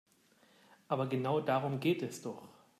Aber genau darum geht es doch.